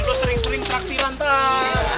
lo sering sering traktir lantai